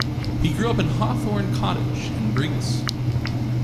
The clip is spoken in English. He grew up in Hawthorne Cottage in Brigus.